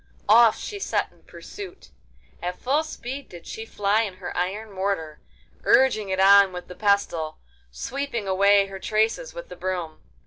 Off she set in pursuit. At full speed did she fly in her iron mortar, urging it on with the pestle, sweeping away her traces with the broom.